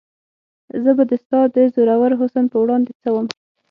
زه به د ستا د زورور حسن په وړاندې څه وم؟